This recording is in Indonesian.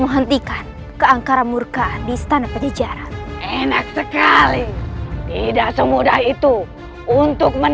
fazer sudah saidah kan